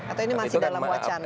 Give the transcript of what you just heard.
atau ini masih dalam wacana